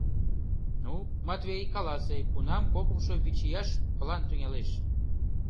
— Ну, Матвей, каласе: кунам кокымшо вичияш план тӱҥалеш?